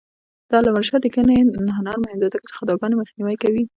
د علامه رشاد لیکنی هنر مهم دی ځکه چې خطاګانې مخنیوی کوي.